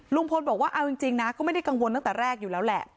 ลุงพลบอกว่าเอาจริงนะก็ไม่ได้กังวลตั้งแต่แรกอยู่แล้วแหละ